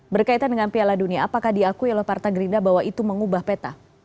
berkaitan dengan piala dunia apakah diakui oleh partai gerinda bahwa itu mengubah peta